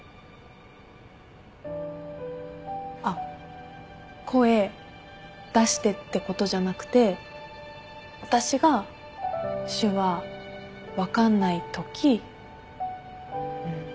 あっ声出してってことじゃなくて私が手話分かんないときうん。